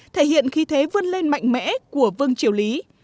thể hiện khí thế vươn lên mạnh mẽ của vương triều lý